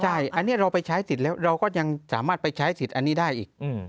ใช่อันนี้เราไปใช้สิทธิ์แล้วเราก็ยังสามารถไปใช้สิทธิ์อันนี้ได้อีก